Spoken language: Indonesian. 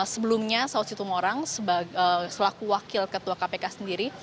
sebelumnya sao citumorang selaku wakil ketua kpk sendiri